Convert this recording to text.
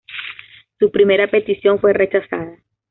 Su primera petición fue rechazada.